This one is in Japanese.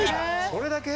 「それだけ？」